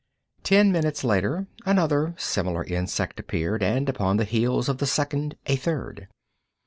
Ten minutes later another similar insect appeared, and upon the heels of the second a third.